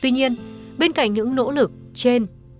tuy nhiên bên cạnh những nỗ lực trên